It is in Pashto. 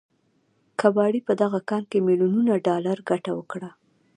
کباړي په دغه کان کې ميليونونه ډالر ګټه وكړه.